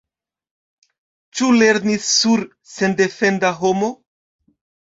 Ĉu lernis sur sendefenda homo?